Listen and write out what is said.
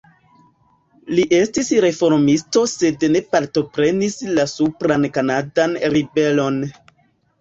Li estis reformisto sed ne partoprenis la supran kanadan ribelon.